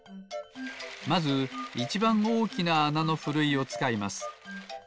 まずいちばんおおきなあなのふるいをつかいます。